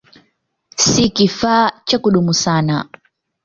Si kifaa cha kudumu sana.